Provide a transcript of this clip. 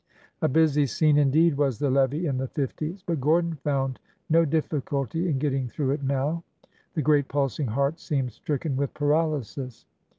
A busy scene, indeed, was the levee in the fifties. But Gordon found no difficulty in getting through it now. The great pulsing heart seemed stricken with paralysis.